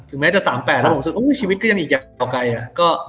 ถึงแม้แต่๓๘แล้วผมสุดชีวิตก็ยังอีกอย่างกว่าไกล